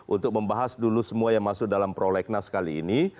untuk membahas dulu semua yang masuk dalam prolegnas kali ini